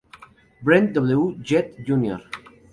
Brent W. Jett, Jr.